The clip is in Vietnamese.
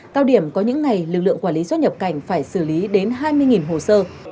cao điểm có những ngày lực lượng quản lý xuất nhập cảnh phải xử lý đến hai mươi hồ sơ